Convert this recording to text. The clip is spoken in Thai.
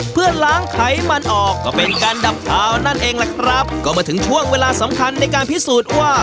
เพื่อล้างไขมันออกก็เป็นการดับขาวนั่นเองล่ะครับก็มาถึงช่วงเวลาสำคัญในการพิสูจน์ว่า